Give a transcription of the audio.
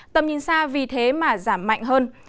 tầm nhìn xa vì thế mà giảm mạnh hơn